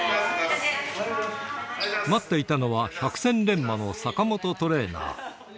待っていたのは、百戦錬磨の坂本トレーナー。